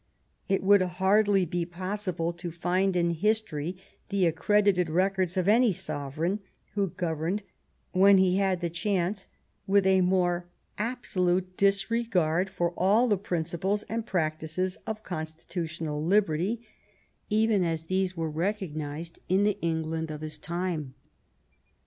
It would hardly be possible to find in history the accredited records of any sovereign who governed, Avhen he had the chance, with a more absolute disregard for all the principles and practices of constitutional liberty, even as these were recognized in the England of his time.